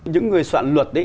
những người soạn luật